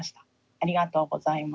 ありがとうございます。